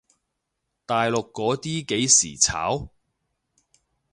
大陸嗰啲幾時炒？